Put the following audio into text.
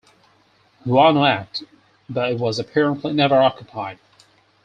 Guano Act, but it was apparently never occupied.